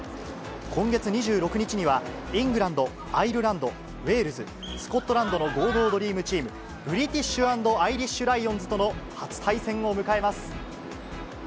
今月２６日には、イングランド、アイルランド、ウェールズ、スコットランドの合同ドリームチーム、ブリティッシュ＆アイリッシュ・ライオンズとの初対戦を迎えます。